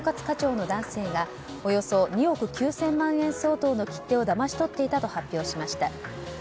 課長の男性がおよそ２億９０００万円相当の切手をだまし取っていたと発表しました。